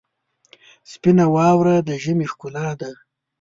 سپینه واوره د ژمي ښکلا ده.